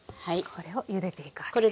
これをゆでていくわけですね。